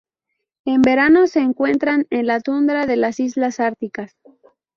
En verano se encuentran en la tundra de las islas árticas.